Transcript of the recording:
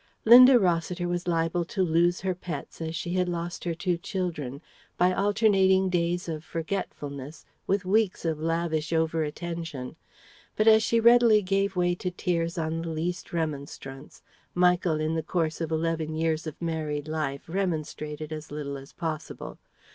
Linda Rossiter was liable to lose her pets as she had lost her two children by alternating days of forgetfulness with weeks of lavish over attention. But as she readily gave way to tears on the least remonstrance, Michael in the course of eleven years of married life remonstrated as little as possible.